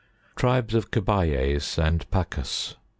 Tribes of Cabiais and Pacas.